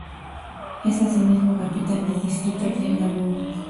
Es asimismo capital del distrito de Lagunas.